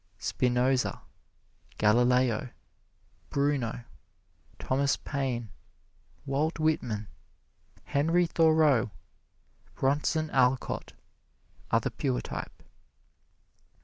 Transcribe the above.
Spinoza, Galileo, Bruno, Thomas Paine, Walt Whitman, Henry Thoreau, Bronson Alcott, are the pure type.